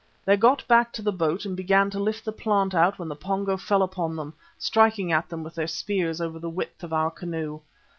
They got back to the boat and began to lift the plant out when the Pongo fell upon them, striking at them with their spears over the width of our canoe.